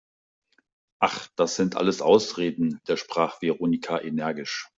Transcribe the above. Ach, das sind alles Ausreden!, widersprach Veronika energisch.